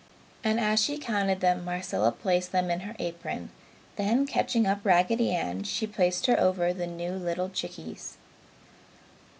and as she counted them, Marcella placed them in her apron; then catching up Raggedy Ann, she placed her over the new little chickies.